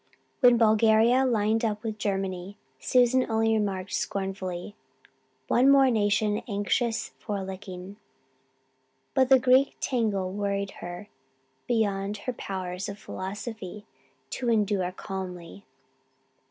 When Bulgaria lined up with Germany Susan only remarked scornfully, "One more nation anxious for a licking," but the Greek tangle worried her beyond her powers of philosophy to endure calmly.